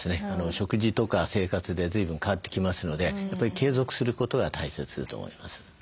食事とか生活でずいぶん変わってきますのでやっぱり継続することが大切だと思います。